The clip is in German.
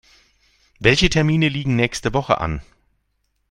Welche Termine liegen nächste Woche an?